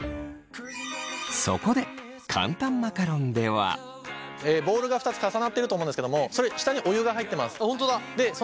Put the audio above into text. そこでボウルが２つ重なってると思うんですけどもそれ下にお湯が入ってます。